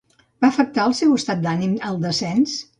Va afectar el seu estat d'ànim al descens?